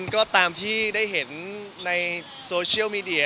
ก็ตามที่ได้เห็นในโซเชียลมีเดีย